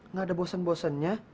nggak ada bosen bosennya